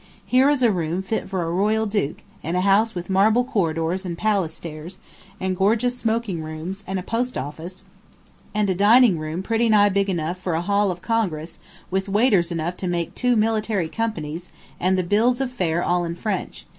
"Here is a room fit for a royal duke, in a house with marble corridors and palace stairs, and gorgeous smoking rooms, and a post office, and a dining room pretty nigh big enough for a hall of Congress, with waiters enough to make two military companies, and the bills of fare all in French.